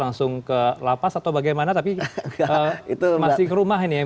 langsung ke lapas atau bagaimana tapi masih ke rumah ini ya